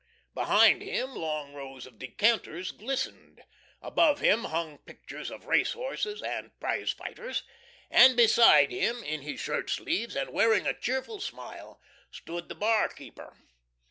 Behind him long rows of decanters glistened; above him hung pictures of race horses and prize fighters; and beside him, in his shirt sleeves and wearing a cheerful smile, stood the bar keeper.